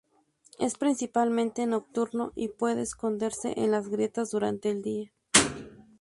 Es principalmente nocturno y puede esconderse en las grietas durante el día.